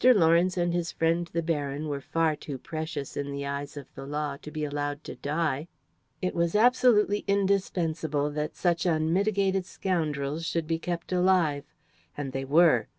Lawrence and his friend the Baron were far too precious in the eyes of the law to be allowed to die. It was absolutely indispensable that such unmitigated scoundrels should be kept alive. And they were.